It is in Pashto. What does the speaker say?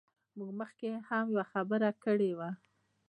موږ مخکې هم یوه خبره کړې وه.